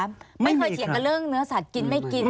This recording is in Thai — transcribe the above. ไม่มีครับไม่เคยเฉียงกันเรื่องเนื้อสัตว์กินไม่กิน